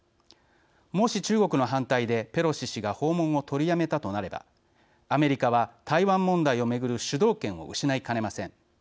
もし、中国の反対でペロシ氏が訪問を取りやめたとなればアメリカは、台湾問題を巡る主導権を失いかねません。